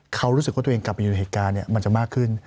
เขารู้สึกว่าตัวเองกลับไปอยู่ในเหตุการณ์มันจะมากขึ้น